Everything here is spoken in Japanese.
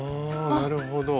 あなるほど。